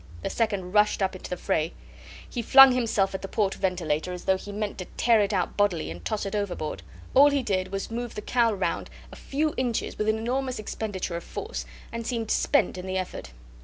The second rushed up to the fray. He flung himself at the port ventilator as though he meant to tear it out bodily and toss it overboard. All he did was to move the cowl round a few inches, with an enormous expenditure of force, and seemed spent in the effort.